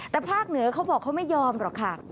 แต่ภาคเหนือเขาบอกเขาไม่ยอมหรอกค่ะ